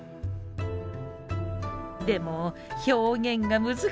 でも表現が難しいシーン。